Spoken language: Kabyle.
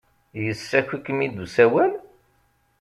Yessaki-kem-id usawal?